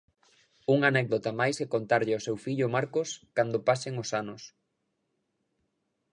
Unha anécdota máis que contarlle ao seu fillo Marcos cando pasen os anos.